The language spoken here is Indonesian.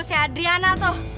tuh si adriana tuh